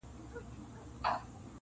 • په ژوندوني سو کمزوری لکه مړی -